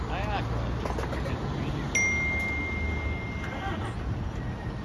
Niagara is the leading green grape grown in the United States.